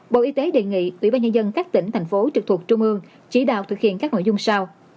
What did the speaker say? bộ y tế đề nghị ủy ban nhân dân các tỉnh thành phố trực thuộc trung ương chỉ đạo thực hiện các nội dung sau